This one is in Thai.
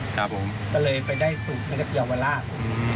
ก็เลยไปได้สูตรในกับยาวราช